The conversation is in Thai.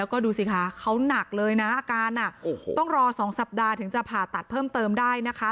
แล้วก็ดูสิคะเขาหนักเลยนะอาการต้องรอ๒สัปดาห์ถึงจะผ่าตัดเพิ่มเติมได้นะคะ